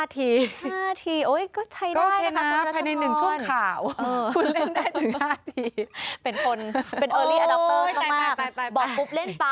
ไทยส